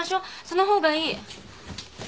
そのほうがいい。